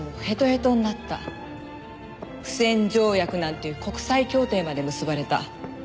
不戦条約なんていう国際協定まで結ばれた。